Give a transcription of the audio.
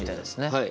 はい。